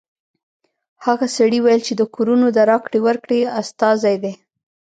هغه سړي ویل چې د کورونو د راکړې ورکړې استازی دی